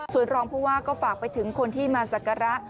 ศูนย์รองภูวาก็ฝากไปถึงคนที่มาสักการะ